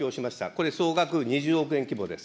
これ、総額２０億円規模です。